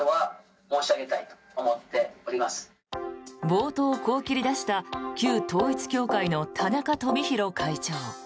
冒頭、こう切り出した旧統一教会の田中富広会長。